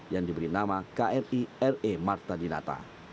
yang diberi nama kri re marta dinata